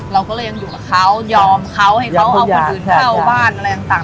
เราก็เลยยังอยู่กับเขายอมเขาให้เขาเอาคนอื่นเข้าบ้านอะไรต่าง